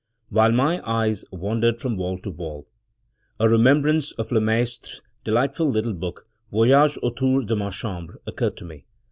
While my eyes wandered from wall to wall, a remembrance of Le Maistre's delightful little book, "Voyage autour de ma Chambre," occurred to me.